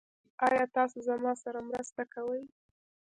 ایا تاسو زما سره مرسته کوئ؟